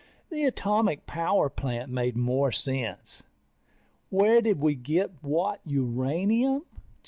The atomic power plant made more sense. Where did we get what uranium?